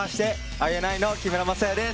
ＩＮＩの木村柾哉です。